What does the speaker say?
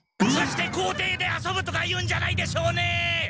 そして校庭で遊ぶとか言うんじゃないでしょうね！